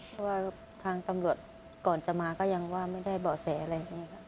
เพราะว่าทางตำรวจก่อนจะมาก็ยังว่าไม่ได้เบาะแสอะไรอย่างนี้ค่ะ